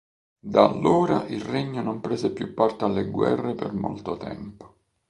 Da allora il regno non prese più parte alle guerre per molto tempo.